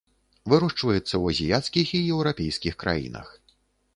Вырошчваецца ў азіяцкіх і еўрапейскіх краінах.